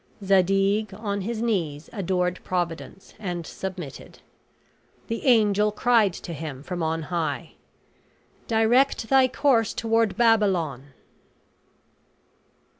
Zadig on his knees adored Providence, and submitted. The angel cried to him from on high, "Direct thy course toward Babylon."